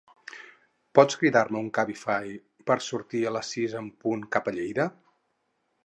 Pots cridar-me un Cabify per sortir a les sis en punt cap a Lleida?